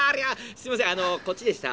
すいませんこっちでした」。